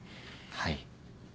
はい。